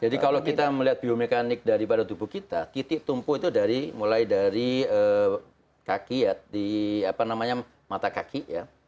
jadi kalau kita melihat biomekanik daripada tubuh kita titik tumpu itu dari mulai dari kaki ya di apa namanya mata kaki ya